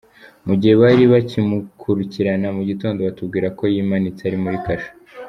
Mu gihe bari bakimukurikirana mu gitondo batubwira ko yimanitse ari muri kasho.